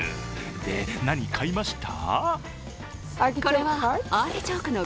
で、何買いました？